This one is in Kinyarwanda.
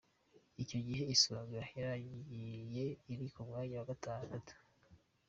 Icyo gihe Isonga yarangiye iri ku mwanya wa gatandatu.